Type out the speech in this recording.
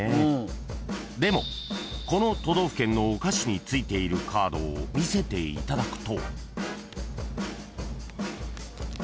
［でもこの都道府県のお菓子に付いているカードを見せていただくと］